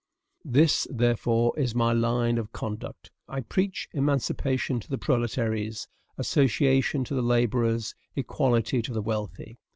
This, therefore, is my line of conduct. I preach emancipation to the proletaires; association to the laborers; equality to the wealthy.